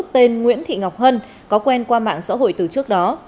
tên nguyễn thị ngọc hân có quen qua mạng xã hội từ trước đó